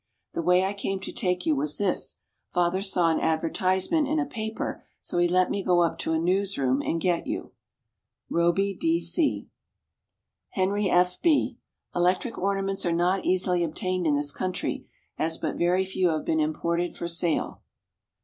The way I came to take you was this: father saw an advertisement in a paper, so he let me go up to a newsroom and get you. ROBIE D. C. HENRY F. B. Electric ornaments are not easily obtained in this country, as but very few have been imported for sale.